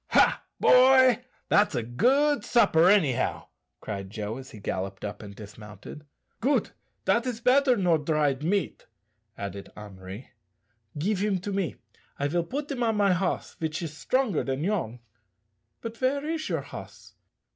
"Ha, boy! that's a good supper, anyhow," cried Joe, as he galloped up and dismounted. "Goot! dat is better nor dried meat," added Henri. "Give him to me; I will put him on my hoss, vich is strongar dan yourn. But ver is your hoss?"